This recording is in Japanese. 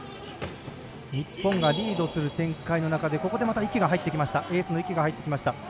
日本がリードする展開の中でここでまたエースの池が入ってきました。